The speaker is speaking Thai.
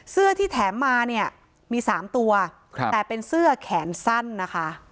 เสื้อที่แถมมาเนี่ยมี๓ตัวแต่เป็นเสื้อแขนสั้นนะคะ